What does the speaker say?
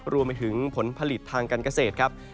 รวมไปถึงผลผลิตทางการเกษตรครับ